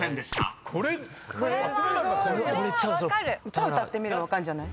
歌歌ってみれば分かんじゃない？